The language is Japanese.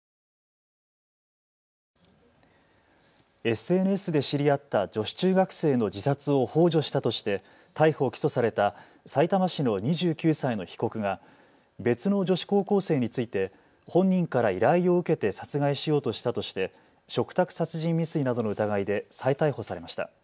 ＳＮＳで知り合った女子中学生の自殺をほう助したとして逮捕・起訴されたさいたま市の２９歳の被告が別の女子高校生について本人から依頼を受けて殺害しようとしたとして嘱託殺人未遂などの疑いで再逮捕されました。